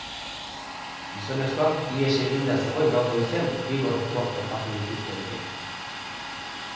Gizonezkoa ihes eginda zegoen gaur goizean bi gorpuak topatu dituztenetik.